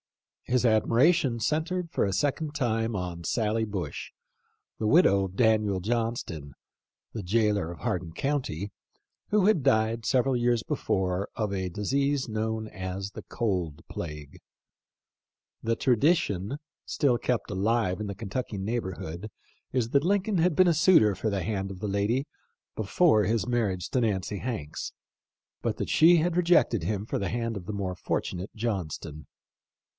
His admiration had centred for a second time on Sally Bush, the widow of Daniel Johnston, the jailer of Hardin county, who had died several years before of a disease known as the " cold plague." The tradition still kept alive in the Kentucky neighborhood is that Lincoln had been a suitor for the hand of the lady before his marriage to Nancy Hanks, but that she had rejected him for the hand of the more fortu nate Johnston.